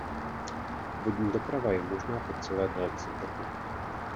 Vodní doprava je možná po celé délce toku.